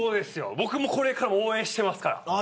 僕もこれからも応援してますから。